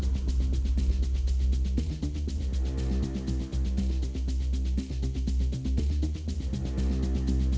ตอนที่เกิดเหตุก็คือกำลังล้างจานอยู่